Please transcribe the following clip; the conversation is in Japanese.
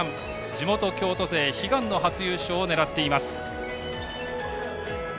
地元・京都勢悲願の初優勝を狙っています。